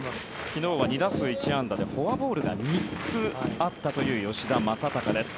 昨日は２打数１安打でフォアボールが３つあったという吉田正尚です。